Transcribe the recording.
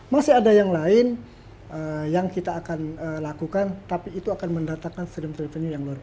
masih ada yang lain yang kita akan lakukan tapi itu akan mendatangkan freement revenue yang luar biasa